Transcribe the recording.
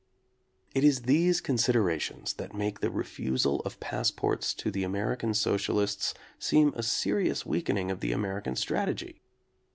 It is these considerations that make the refusal of passports to the American socialists seem a seri ous weakening of the American strategy.